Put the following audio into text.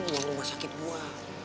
buang rumah sakit gua